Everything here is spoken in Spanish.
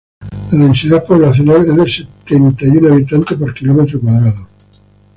La densidad poblacional es de setenta y un habitantes por kilómetro cuadrado.